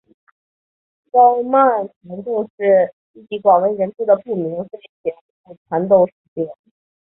高曼缠斗是一起广为人知的不明飞行物缠斗事件。